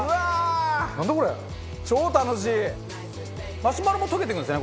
マシュマロも溶けていくんですね